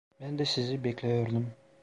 Ben de sizi bekliyordum.